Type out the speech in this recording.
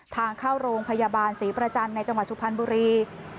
ทางเข้าโรงพยาบาลศรีประจันทร์ในจังหวัดสุพรรณบุรี